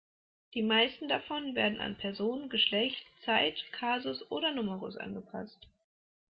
Die meisten davon werden an Person, Geschlecht, Zeit, Kasus oder Numerus angepasst.